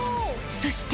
そして］